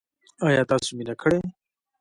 ایا تاسو مینه کړې؟